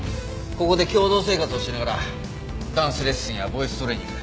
ここで共同生活をしながらダンスレッスンやボイストレーニング。